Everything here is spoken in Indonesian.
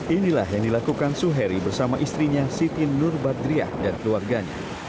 inilah yang dilakukan suheri bersama istrinya siti nur badriah dan keluarganya